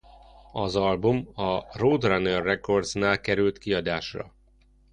Az album a Roadrunner Records-nál került kiadásra.